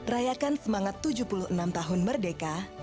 rayakan semangat tujuh puluh enam tahun merdeka